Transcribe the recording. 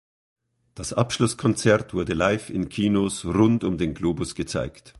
Das Abschlusskonzert wurde live in Kinos rund um den Globus gezeigt.